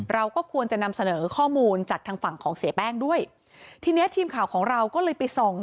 เราก็ควรจะนำเสนอข้อมูลจากทางฝั่งของเสียแป้งด้วยทีเนี้ยทีมข่าวของเราก็เลยไปส่อง